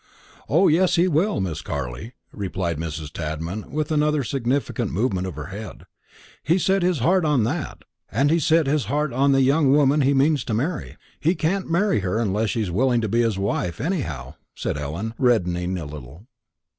"O, yes, he will, Miss Carley," replied Mrs. Tadman, with another significant movement of her head; "he's set his heart on that, and he's set his heart on the young woman he means to marry." "He can't marry her unless she's willing to be his wife, any how," said Ellen, reddening a little.